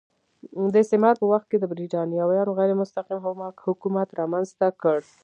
د استعمار په وخت کې برېټانویانو غیر مستقیم حکومت رامنځته کړ.